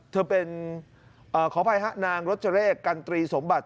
เธอเป็นขออภัยฮะนางรจเรกกันตรีสมบัติ